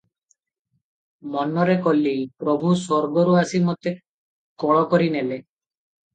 ମନରେ କଲି, ପ୍ରଭୁ ସ୍ୱର୍ଗରୁ ଆସି ମୋତେ କୋଳ କରି ନେଲେ |"